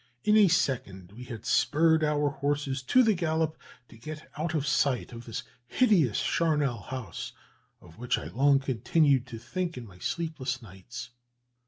"In a second we had spurred our horses to the gallop to get out of sight of this hideous charnel house, of which I long continued to think in my sleepless nights.